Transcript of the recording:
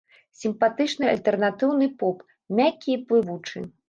Сімпатычны альтэрнатыўны поп, мяккі і плывучы.